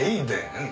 うん。